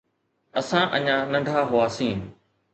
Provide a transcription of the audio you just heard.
اسان اڃا ننڍا هئاسين.